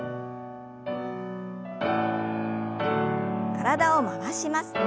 体を回します。